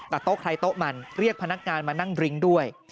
แต่โต๊ะใครโต๊ะมันเรียกพนักงานมานั่งดริ้งด้วย